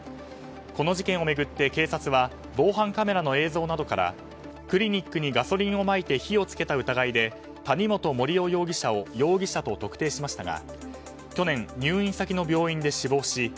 この事件を巡って警察は防犯カメラの映像などからクリニックにガソリンをまいて火を付けた疑いで谷本盛雄容疑者を容疑者と特定しましたが去年、入院先の病院で死亡し